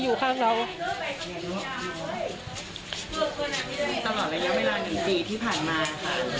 หลังจากผู้ชมไปฟังเสียงแม่น้องชมไป